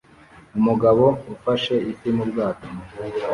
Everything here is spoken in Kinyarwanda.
Umugabo ufashe ifi mu bwato